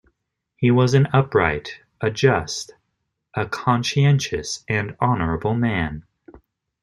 He was an upright, a just, a conscientious and honorable man.